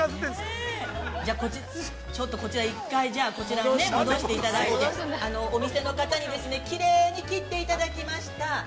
◆ちょっとこちら、１回戻していただいて、お店の方に、きれいに切っていただきました。